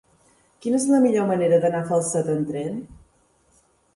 Quina és la millor manera d'anar a Falset amb tren?